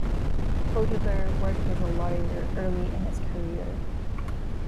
Oduber worked as a lawyer early in his career.